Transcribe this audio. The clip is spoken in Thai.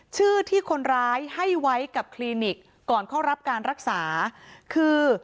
ชื่อที่คนร้ายให้ไว้กับคลินิกก่อนเข้ารับการรักษาคือ